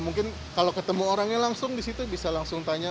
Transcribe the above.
mungkin kalau ketemu orangnya langsung di situ bisa langsung tanya